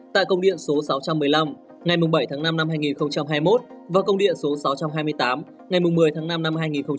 tại công điện số sáu trăm một mươi năm ngày bảy tháng năm năm hai nghìn hai mươi một và công điện số sáu trăm hai mươi tám ngày một mươi tháng năm năm hai nghìn hai mươi